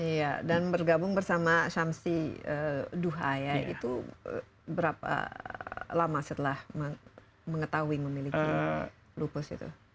iya dan bergabung bersama syamsi duha ya itu berapa lama setelah mengetahui memiliki lupus itu